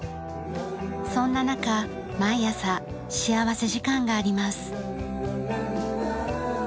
そんな中毎朝幸福時間があります。